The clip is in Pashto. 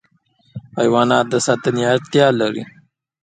حیوانات د ساتنې اړتیا لري.